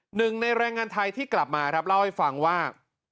หนึ่งในแรงงานไทยที่กลับมาครับเล่าให้ฟังว่า